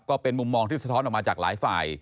ก็เป็นมุมมองที่สะท้อนออกมาจากหลายฝ่าย